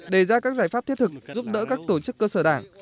đề ra các giải pháp thiết thực giúp đỡ các tổ chức cơ sở đảng